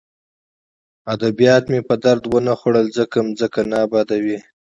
ادبیات مې په درد ونه خوړل ځکه ځمکه نه ابادوي